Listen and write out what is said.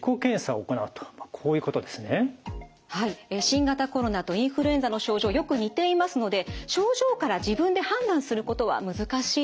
新型コロナとインフルエンザの症状よく似ていますので症状から自分で判断することは難しいです。